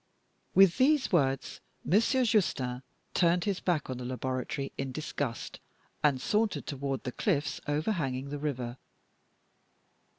With these words Monsieur Justin turned his back on the laboratory in disgust, and sauntered toward the cliffs overhanging the river.